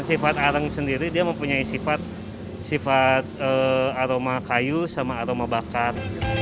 sifat arang sendiri dia mempunyai sifat aroma kayu sama aroma bakar